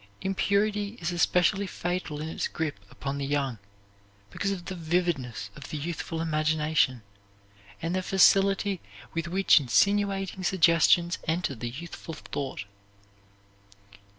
Impurity is especially fatal in its grip upon the young, because of the vividness of the youthful imagination and the facility with which insinuating suggestions enter the youthful thought.